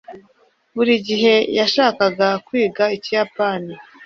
buri gihe yashakaga kwiga ikiyapani